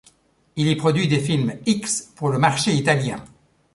Il y produit des films X pour le marché italien.